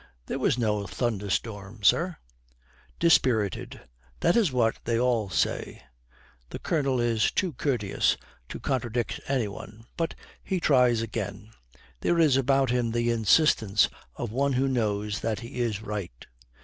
'There was no thunderstorm, sir.' Dispirited, 'That is what they all say.' The Colonel is too courteous to contradict any one, but he tries again; there is about him the insistence of one who knows that he is right.